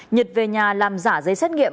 nhật về nhà làm giả giấy xét nghiệm